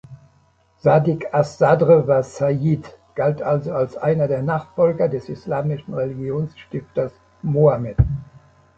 Sadiq as-Sadr war "Sayyid", galt also als einer der Nachfolger des islamischen Religionsstifters Mohammed.